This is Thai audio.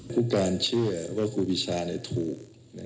ผู้การเชื่อว่าครูปีชาถูก